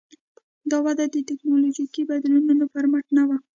دا وده د ټکنالوژیکي بدلونونو پر مټ نه وه.